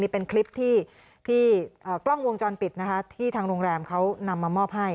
เป็นคลิปที่กล้องวงจรปิดนะคะที่ทางโรงแรมเขานำมามอบให้